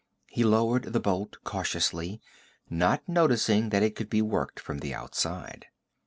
He lowered the bolt cautiously, not noticing that it could be worked from the outside.